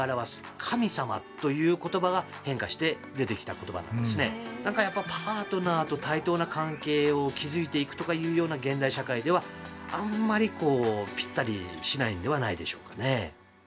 もともとはだからやっぱパートナーと対等な関係を築いていくとかいうような現代社会ではあんまりこうぴったりしないんではないでしょうかねえ。